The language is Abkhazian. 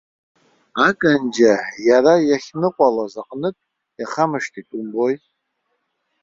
Аканџьа иара иахьхныҟәалоз аҟнытә иахамышҭит умбои.